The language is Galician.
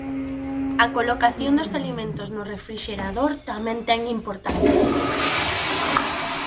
A colocación dos alimentos no refrixerador tamén ten importancia.